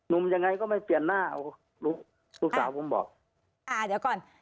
มยังไงก็ไม่เปลี่ยนหน้าเอาลูกลูกสาวผมบอกอ่าเดี๋ยวก่อน